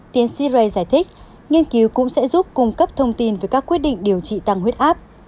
tiến si ray giải thích nghiên cứu cũng sẽ giúp cung cấp thông tin về các quyết định điều trị tăng huyết áp